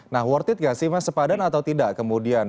nah worth it gak sih mas sepadan atau tidak kemudian